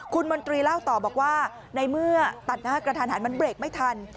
คุณมนตรีเล่าต่อบอกว่าในเมื่อตัดหน้ากระทันหันมันเบรกไม่ทัน